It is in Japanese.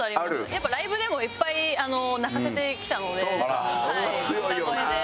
やっぱライブでもいっぱい泣かせてきたので歌声で。